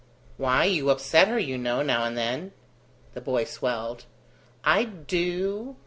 Why, you upset her, you know, now and then." The boy swelled. "I'd do